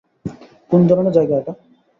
কোন ধরনের জায়গা এটা?